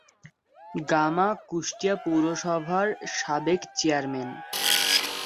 Gamma Kushtia পৌরসভার সাবেক chairman.